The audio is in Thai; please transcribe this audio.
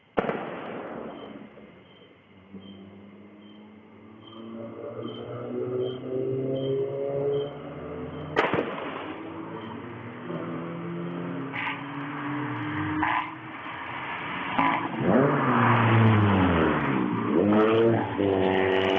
ตอนนี้ดังนี้จะร้องหาอะไรค่ะ